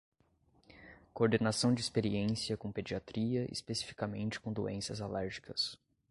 Coordenação de experiência com pediatria, especificamente com doenças alérgicas.